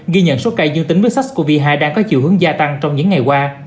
ghi nhận số ca dương tính với sars cov hai đang có chiều hướng gia tăng trong những ngày qua